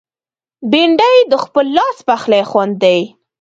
بېنډۍ د خپل لاس پخلي خوند دی